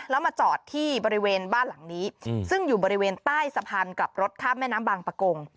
แล้วมาจอดที่บริเวณบ้านหลังนี้ซึ่งอยู่บริเวณใต้สะพานกลับรถข้ามแม่น้ำบางประกง